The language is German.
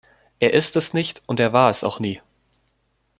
Er ist es nicht und war es auch nie.